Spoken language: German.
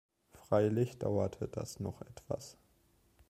Freilich dauerte das noch etwas.